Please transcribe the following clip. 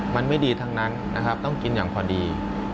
มันไม่ดีทั้งนั้นนะครับต้องกินอย่างพอดี